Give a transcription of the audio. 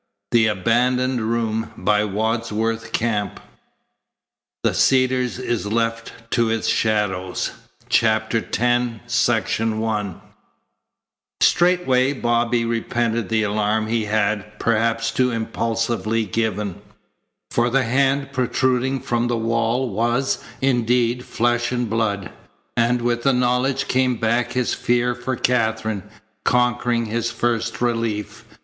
He couldn't cry out again. CHAPTER X THE CEDARS IS LEFT TO ITS SHADOWS Straightway Bobby repented the alarm he had, perhaps too impulsively, given. For the hand protruding from the wall was, indeed, flesh and blood, and with the knowledge came back his fear for Katherine, conquering his first relief.